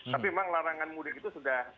tapi memang larangan mudik itu sudah